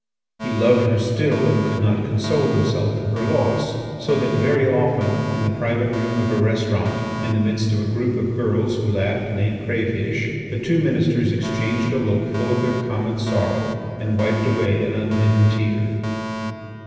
He loved her still, and could not console himself for her loss, so that very often in the private room of a restaurant, in the midst of a group of girls who laughed and ate crayfish, the two ministers exchanged a look full of their common sorrow and wiped away an unbidden tear.